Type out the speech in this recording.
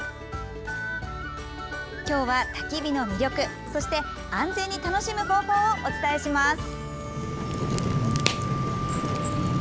今日は、たき火の魅力そして安全に楽しむ方法をお伝えします。